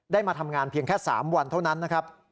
มาทำงานเพียงแค่๓วันเท่านั้นนะครับ